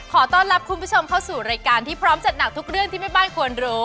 ขอต้อนรับคุณผู้ชมเข้าสู่รายการที่พร้อมจัดหนักทุกเรื่องที่แม่บ้านควรรู้